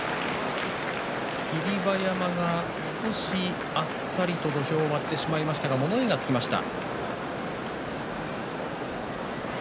霧馬山が少しあっさりと土俵を割ってしまいましたが物言いがつきました。